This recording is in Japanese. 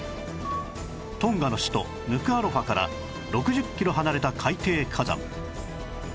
トンガの首都ヌクアロファから６０キロ離れた海底火山